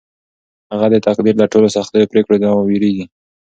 هغه د تقدیر له ټولو سختو پرېکړو نه وېرېږي.